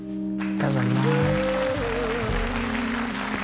頑張ります